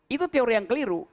itu teori yang keliru